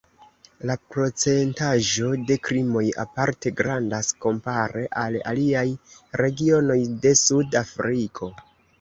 La procentaĵo de krimoj aparte grandas, kompare al aliaj regionoj de Sud-Afriko.